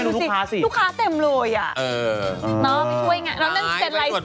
ลูกค้าเต็มเลย